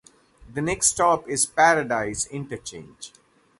The next stop is Paradise Interchange.